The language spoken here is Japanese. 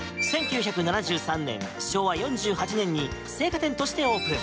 昭和４８年に青果店としてオープン。